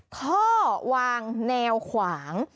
ท่อวางแนวขวาง